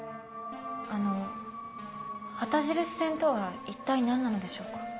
あの旗印戦とは一体何なのでしょうか？